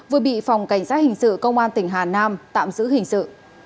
vừa bị phòng cảnh sát hình sự công an tỉnh hà nam tạm giữ hình sự